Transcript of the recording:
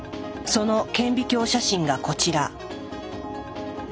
その顕微鏡写真がこちら。